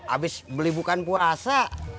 abis beli bukan puasa